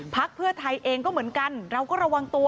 เพื่อไทยเองก็เหมือนกันเราก็ระวังตัว